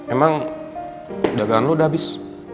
emang dagangan lo udah habis